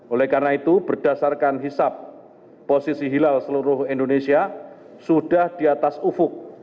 oleh karena itu berdasarkan hisap posisi hilal seluruh indonesia sudah di atas ufuk